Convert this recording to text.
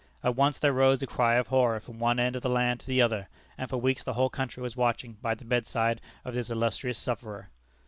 At once there rose a cry of horror from one end of the land to the other, and for weeks the whole country was watching by the bedside of the illustrious sufferer.